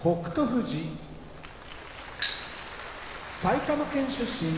富士埼玉県出身